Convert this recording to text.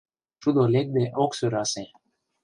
Шудо лекде ок сӧрасе.